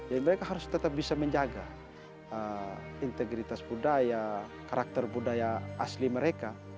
jadi mereka harus tetap bisa menjaga integritas budaya karakter budaya asli mereka